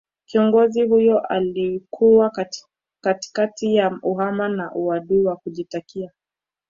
Kiongozi huyo alikuwa katikati ya uhasama na uadui wa kujitakia